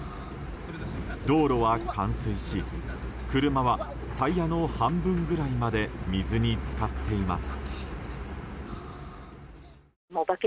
道路は冠水し車はタイヤの半分ぐらいまで水に浸かっています。